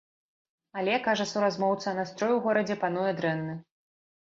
Але, кажа суразмоўца, настрой у горадзе пануе дрэнны.